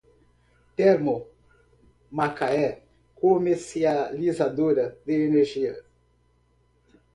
Termomacaé Comercializadora de Energia